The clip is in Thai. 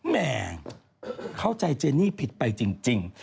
แม่เข้าใจเจนี่ผิดไปจริง